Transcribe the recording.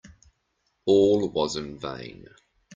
All was in vain.